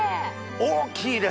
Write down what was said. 大きいですね。